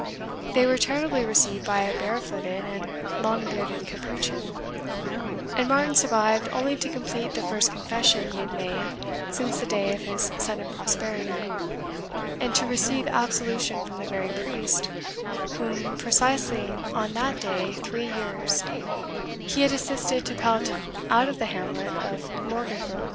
They were charitably received by a bare footed and long bearded capuchin, and Martin survived only to complete the first confession he had made since the day of his sudden prosperity, and to receive absolution from the very priest whom, precisely on that day three years, he had assisted to pelt out of the hamlet of Morgenbrodt.